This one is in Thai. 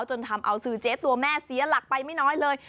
จนทำเอาสื่อเจ๊ตัวแม่เสียหลักไปไม่น้อยเลย